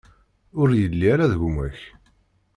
Ur yelli ara d gma-k.